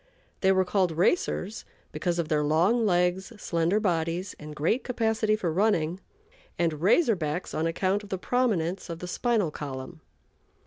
They were called "racers" because of their long legs, slender bodies, and great capacity for running; and "Razor Backs" on account of the prominence of the spinal column.